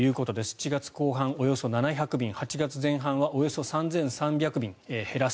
７月後半、およそ７００便８月前半は、およそ３３００便減らす。